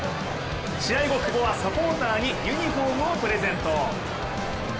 試合後、久保はサポーターにユニフォームをプレゼント。